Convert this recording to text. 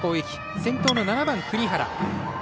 先頭の７番、栗原。